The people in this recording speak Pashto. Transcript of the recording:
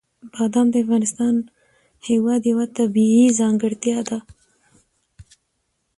بادام د افغانستان هېواد یوه طبیعي ځانګړتیا ده.